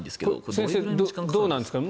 先生、どうなんですか。